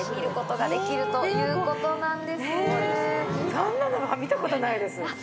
こんなの見たことないです